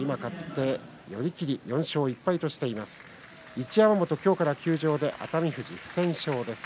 一山本、今日から休場で熱海富士、不戦勝です。